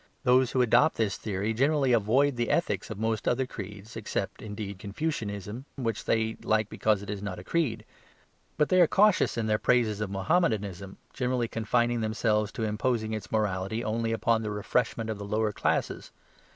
Those who adopt this theory generally avoid the ethics of most other creeds, except, indeed, Confucianism, which they like because it is not a creed. But they are cautious in their praises of Mahommedanism, generally confining themselves to imposing its morality only upon the refreshment of the lower classes.